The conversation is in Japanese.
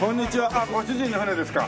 あっご主人の船ですか。